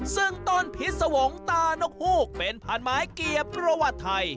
ซึ่งต้นพิษวงศ์ตานกฮูกเป็นพันไม้เกียรติประวัติไทย